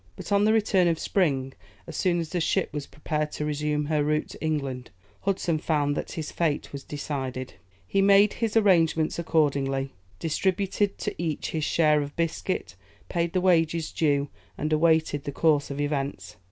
But, on the return of spring, as soon as the ship was prepared to resume her route to England, Hudson found that his fate was decided. He made his arrangements accordingly, distributed to each his share of biscuit, paid the wages due, and awaited the course of events.